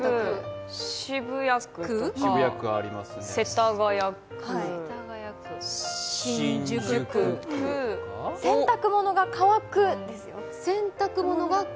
渋谷区、世田谷区、新宿区洗濯物が乾くですよ。